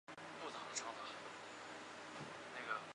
瑞声科技控股有限公司是一家在香港交易所上市的工业公司。